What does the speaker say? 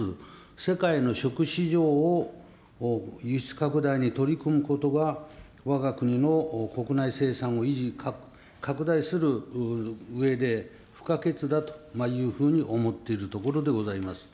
世界の食市場を輸出拡大に取り込むことが、わが国の国内生産を維持、拡大するうえで不可欠だというふうに思っているところでございます。